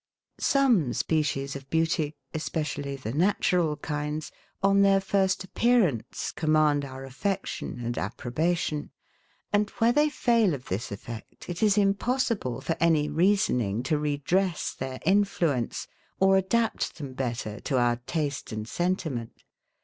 Some species of beauty, especially the natural kinds, on their first appearance, command our affection and approbation; and where they fail of this effect, it is impossible for any reasoning to redress their influence, or adapt them better to our taste and sentiment.